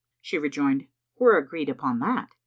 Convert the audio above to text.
She rejoined, "We're agreed upon that.